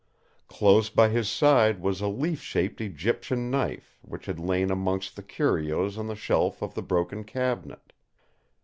Close by his side was a leaf shaped Egyptian knife which had lain amongst the curios on the shelf of the broken cabinet.